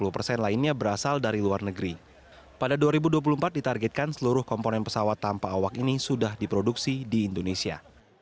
pada dua ribu dua puluh empat ditargetkan seluruh komponen pesawat tanpa awak ini sudah diproduksi di indonesia